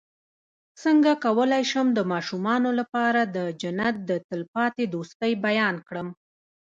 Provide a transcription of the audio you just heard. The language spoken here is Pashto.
څنګه کولی شم د ماشومانو لپاره د جنت د تل پاتې دوستۍ بیان کړم